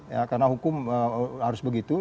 ya karena hukum harus begitu